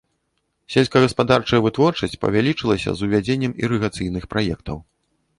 Сельскагаспадарчая вытворчасць павялічылася з увядзеннем ірыгацыйных праектаў.